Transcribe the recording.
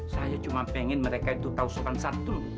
saya cuma pengen mereka itu tahu sopan santun